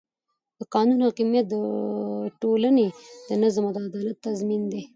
د قانون حاکمیت د ټولنې د نظم او عدالت تضمین دی